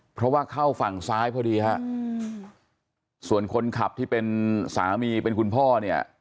เพราะว่าเข้าฝั่งซ้ายพอดีฮะส่วนคนขับที่เป็นสามีเป็นคุณพ่อเนี่ย